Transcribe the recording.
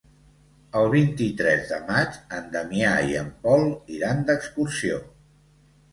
El vint-i-tres de maig en Damià i en Pol iran d'excursió.